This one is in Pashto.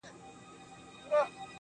• دا دی د مرګ، و دایمي محبس ته ودرېدم .